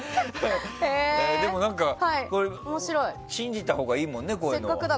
でも、信じたほうがいいもんねこういうの。